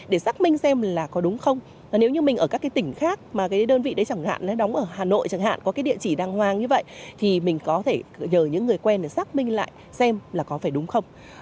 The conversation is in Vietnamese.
đề phòng tránh bị lừa đảo